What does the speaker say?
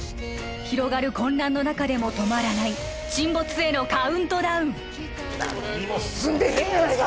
広がる混乱の中でも止まらない沈没へのカウントダウン何にも進んでへんやないか！